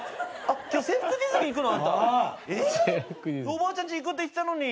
おばあちゃんち行くって言ってたのに。